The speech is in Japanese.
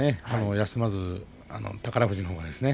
休まずに、宝富士のほうがですね。